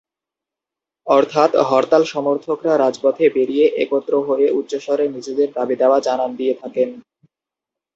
অর্থাৎ হরতাল সমর্থকরা রাজপথে বেরিয়ে একত্র হয়ে উচ্চস্বরে নিজেদের দাবি-দাওয়া জানান দিয়ে থাকেন।